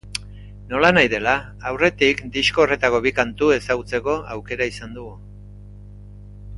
Nolanahi dela, aurretik disko horretako bi kantu ezagutzeko aukera izan dugu.